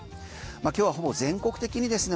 今日はほぼ全国的にですね